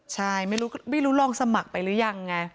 ใช่ไม่รู้ลองสมัครไปหรือยังไง